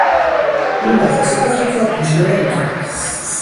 او مقاصد خود را پوشیده نمیکند.